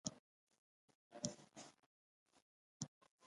د اسرار العارفین په دغه چاپ کې د نکاح بحث دی.